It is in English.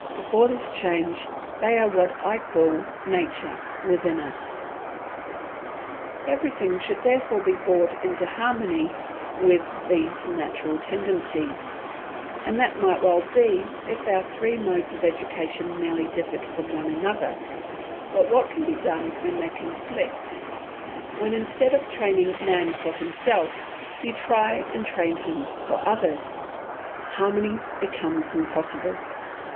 Before this change they are what I call Nature within us. Everything should therefore be brought into harmony with these natural tendencies, and that might well be if our three modes of education merely differed from one another; but what can be done when they conflict, when instead of training man for himself you try to train him for others? Harmony becomes impossible.